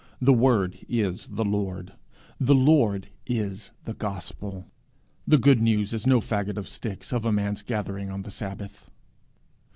The Word is the Lord; the Lord is the gospel. The good news is no fagot of sticks of a man's gathering on the Sabbath.